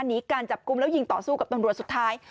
หนีการจับกลุ่มแล้วยิงต่อสู้กับตำรวจสุดท้าย